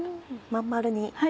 真ん丸に。